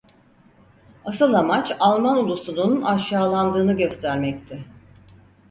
Asıl amaç Alman ulusunun aşağılandığını göstermekti.